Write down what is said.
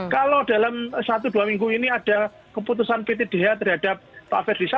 kalau dalam satu dua minggu ini ada keputusan ptdh terhadap pak ferdis